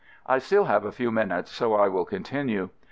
I still have a few minutes, so I will con tinue.